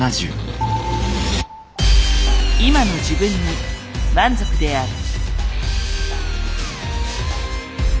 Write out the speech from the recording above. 今の自分に満足である。